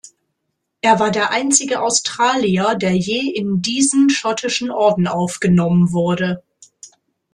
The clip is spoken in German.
Er war der einzige Australier, der je in diesen schottischen Orden aufgenommen wurde.